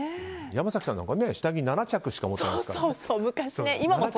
山崎さんなんか下着７着しか持ってない。